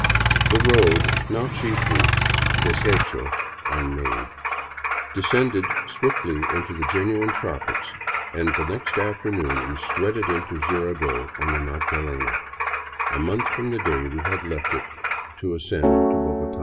The road, now chiefly deshecho ("unmade"), descended swiftly into the genuine tropics and the next afternoon we sweated into Jirardot on the Magdalena, a month from the day we had left it to ascend to Bogota.